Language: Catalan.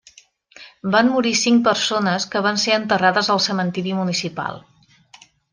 Van morir cinc persones que van ser enterrades al cementiri municipal.